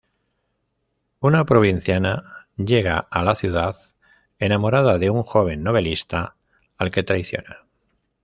Una provinciana llega a la ciudad enamorada de un joven novelista al que traiciona.